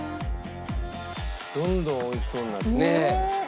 どんどん美味しそうになってる。